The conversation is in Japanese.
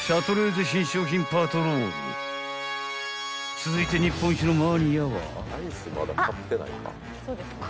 ［続いて日本一のマニアは］